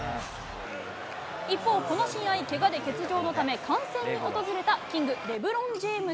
一方、この試合、けがで欠場のため、観戦に訪れたキング、レブロン・ジェームズ。